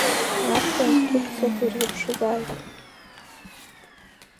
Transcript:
Настәи аинструкциақәа ирзыԥшызааит.